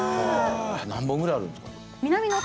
何本ぐらいあるんですか？